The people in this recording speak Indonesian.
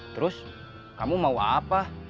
terus kamu mau apa